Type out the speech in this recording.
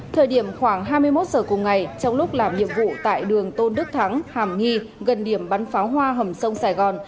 thời điểm khoảng hai mươi một giờ cùng ngày trong lúc làm nhiệm vụ tại đường tôn đức thắng hàm nghi gần điểm bắn pháo hoa hầm sông sài gòn